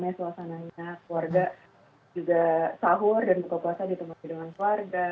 karena suasananya keluarga juga sahur dan buka puasa ditemui dengan keluarga